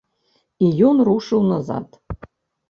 І ён рушыў назад.